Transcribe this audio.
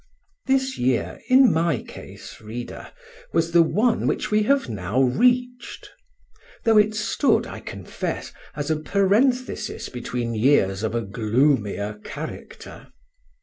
This year, in my case, reader, was the one which we have now reached; though it stood, I confess, as a parenthesis between years of a gloomier character.